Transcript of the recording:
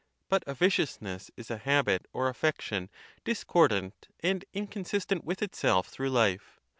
But a viciousness is a habit or affection discordant and inconsistent with itself through life.